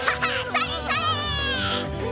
それそれ。